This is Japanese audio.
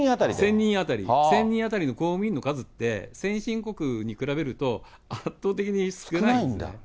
１０００人当たりの公務員の数って、先進国に比べると圧倒的に少ないんですね。